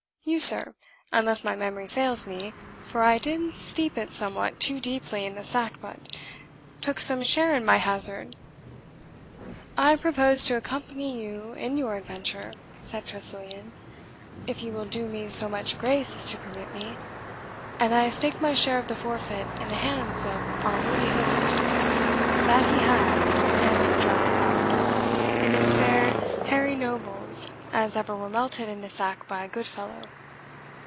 You, sir, unless my memory fails me (for I did steep it somewhat too deeply in the sack butt), took some share in my hazard?" "I propose to accompany you in your adventure," said Tressilian, "if you will do me so much grace as to permit me; and I have staked my share of the forfeit in the hands of our worthy host." "That he hath," answered Giles Gosling, "in as fair Harry nobles as ever were melted into sack by a good fellow.